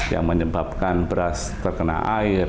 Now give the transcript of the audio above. yang menyebabkan beras terkena air